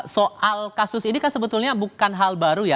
soal kasus ini kan sebetulnya bukan hal baru ya